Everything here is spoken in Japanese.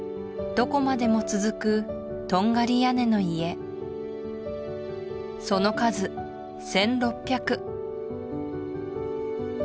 どこまでも続くトンガリ屋根の家その数１６００